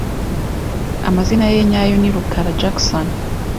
Amazina ye nyayo ni rukaraJackson.